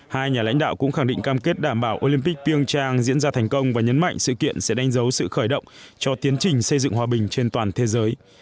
hai nhà lãnh đạo cũng khẳng định cam kết đảm bảo olympic ping trang diễn ra thành công và nhấn mạnh sự kiện sẽ đánh dấu sự khởi động cho tiến trình xây dựng hòa bình trên toàn thế giới